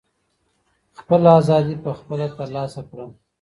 خپله ازادي په خپله ترلاسه کړه.